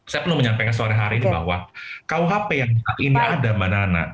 saya perlu menyampaikan sehari hari bahwa rkuhp yang ini ada b nana